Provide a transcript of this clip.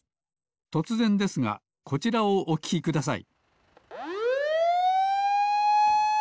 とつぜんですがこちらをおききください。